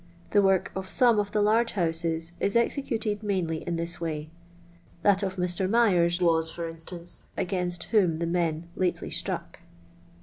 The work of some of the large houses is ex ecuted mainly in this way; that of Mr. Myers was, for instance, against whom the men lately struck.